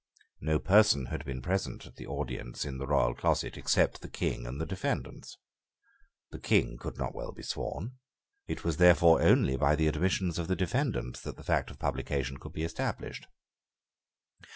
No person had been present at the audience in the royal closet, except the King and the defendants. The King could not well be sworn. It was therefore only by the admissions of the defendants that the fact of publication could be established.